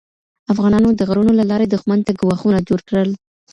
افغانانو د غرونو له لارې دښمن ته ګواښونه جوړ کړل.